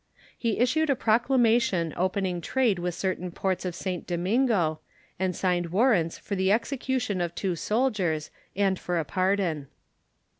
He issued a proclamation opening trade with certain ports of St. Domingo, and signed warrants for the execution of two soldiers and for a pardon.